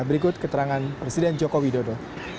berikut keterangan presiden jokowi dodo